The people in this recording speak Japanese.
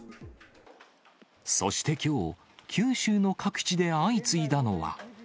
そしてきょう、九州の各地で相次いだのは。